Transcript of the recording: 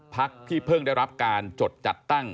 พักที่เพิ่งได้รับการจดจัดตั้ง